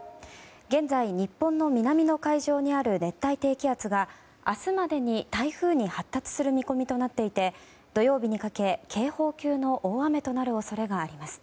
現在日本の南の海上にある熱帯低気圧が明日までに台風に発達する見込みとなっていて土曜日にかけ警報級の大雨となる恐れがあります。